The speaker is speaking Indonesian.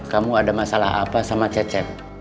kamu ada masalah apa sama cecep